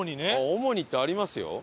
オモニってありますよ。